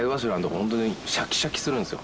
本当にシャキシャキするんですよ。